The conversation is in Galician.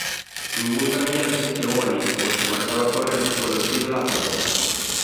Ningún camiñante se achegou alí, porque marchaba correndo polo cheiro da podremia.